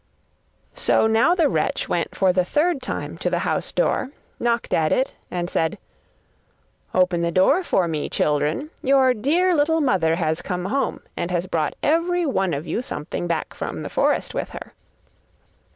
So now the wretch went for the third time to the house door, knocked at it and said: 'Open the door for me, children, your dear little mother has come home, and has brought every one of you something back from the forest with her.